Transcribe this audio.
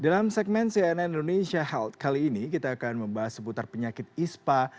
dalam segmen cnn indonesia health kali ini kita akan membahas seputar penyakit ispa